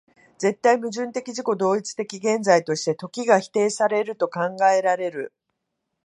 絶対矛盾的自己同一的現在として、時が否定せられると考えられる